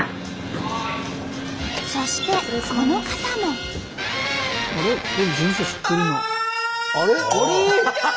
そしてこの方も。ああ！